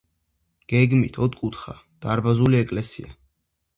გეგმით ოთხკუთხა, დარბაზული ეკლესია.